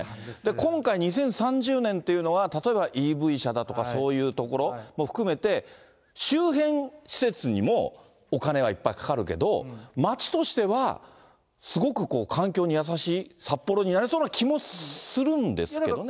今回、２０３０年というのは、例えばＥＶ車だとかそういうところ、も含めて、周辺施設にも、お金はいっぱいかかるけど、街としてはすごく環境に優しい、札幌になりそうな気もするんですけどね。